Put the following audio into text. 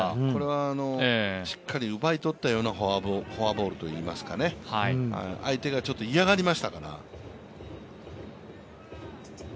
これはしっかり奪い取ったようなフォアボールといいますか相手がちょっと嫌がりましたから。